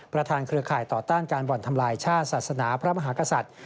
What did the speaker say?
เครือข่ายต่อต้านการบ่อนทำลายชาติศาสนาพระมหากษัตริย์